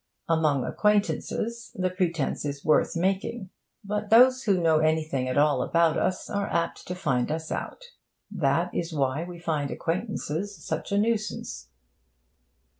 Among acquaintances the pretence is worth making. But those who know anything at all about us are apt to find us out. That is why we find acquaintances such a nuisance.